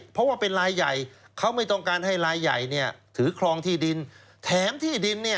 เพราะว่าเป็นลายใหญ่เขาไม่ต้องการให้ลายใหญ่เนี่ยถือครองที่ดินแถมที่ดินเนี่ย